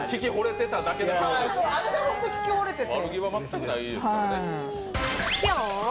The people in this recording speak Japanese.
そう、私は本当に聞きほれてて。